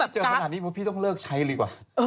เจอขนาดนี้พี่ต้องเลิกใช้ดีกว่า